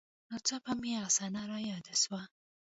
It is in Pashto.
نا څاپه مې هغه صحنه راياده سوه.